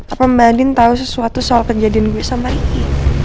apa mbak din tahu sesuatu soal kejadian gue sama ricky